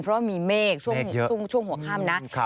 เพราะว่ามีเมฆช่วงหัวข้ามนะ